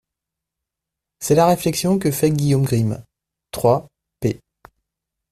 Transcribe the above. C'est la réflexion que fait Guillaume Grimm (trois, p.